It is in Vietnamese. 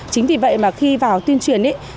chính vì vậy khi vào tuyên truyền